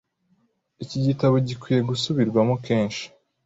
Iki gitabo gikwiye gusubirwamo kenshi .